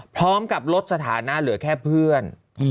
พร้อมกับลดสถานะเหลือแค่เพื่อน